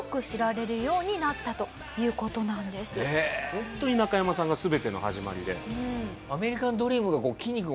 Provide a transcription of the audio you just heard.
ホントになかやまさんが全ての始まりで。